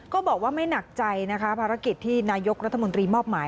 ก็บอกว่าไม่หนักใจนะคะภารกิจที่นายกรัฐมนตรีมอบหมาย